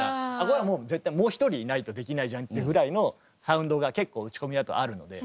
これはもう絶対もう一人いないとできないじゃんってぐらいのサウンドが結構打ち込みだとあるので。